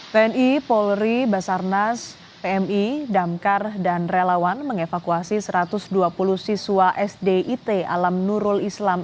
tni polri basarnas pmi damkar dan relawan mengevakuasi satu ratus dua puluh siswa sdit alam nurul islam